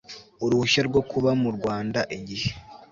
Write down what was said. Uruhushya rwo kuba mu Rwanda igihe